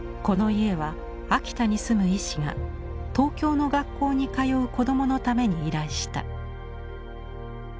この家は秋田に住む医師が東京の学校に通う子供のために依頼した。